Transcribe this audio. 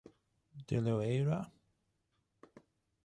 De Loera.